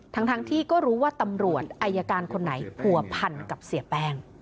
ทั้งที่ก็รู้ว่าตำรวจอายการคนไหนผัวพันกับเสียแป้ง